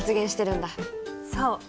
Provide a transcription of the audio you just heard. そう。